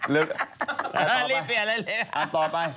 เรียบเรียนแล้วเรียบ